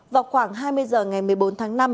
vào khoảng hai mươi h ngày một mươi bốn tháng năm